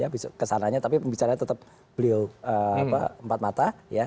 besok kesananya tapi pembicaraan tetap beliau empat mata